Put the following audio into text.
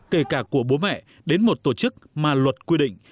kể cả của bố mẹ đến một tổ chức mà luật quy định